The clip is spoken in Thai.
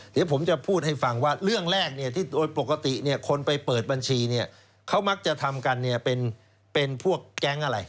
เดี๋ยวผมจะพูดให้ฟังว่าเรื่องแรกที่โดยปกติคนไปเปิดบัญชีเนี่ยเขามักจะทำกันเป็นพวกแก๊งอะไร